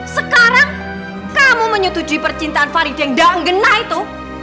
sekarang kamu menyetujui percintaan farida yang nggak enggenah itu